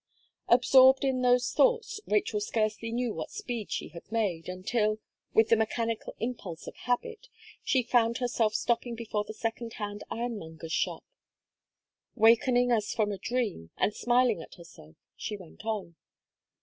Absorbed in those thoughts, Rachel scarcely knew what speed she had made, until, with the mechanical impulse of habit, she found herself stopping before the second hand ironmonger's shop. Wakening as from a dream, and smiling at herself, she went on.